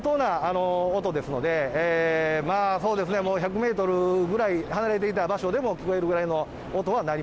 相当な音ですので、まあそうですね、もう１００メートルぐらい離れていた場所でも聞こえるぐらいの音